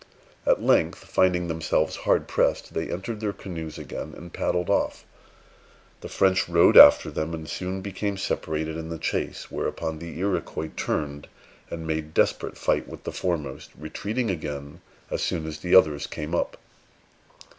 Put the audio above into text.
At length, finding themselves hard pressed, they entered their canoes again, and paddled off. The French rowed after them, and soon became separated in the chase; whereupon the Iroquois turned, and made desperate fight with the foremost, retreating again as soon as the others came up.